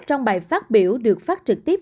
trong bài phát biểu được phát trực tiếp